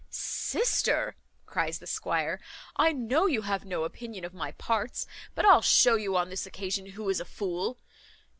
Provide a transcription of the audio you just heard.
"Sister," cries the squire, "I know you have no opinion of my parts; but I'll shew you on this occasion who is a fool.